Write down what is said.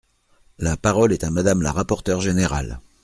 La parole est à Madame la rapporteure générale.